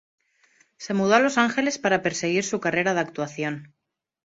Se mudó a Los Ángeles para perseguir su carrera de actuación.